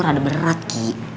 rada berat kiki